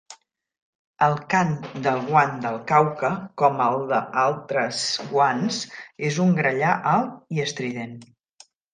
El cant del guan del Cauca, com el de altres guans, és un grallar alt i estrident.